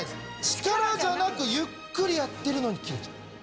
力じゃなくゆっくりやってるのに切れちゃう。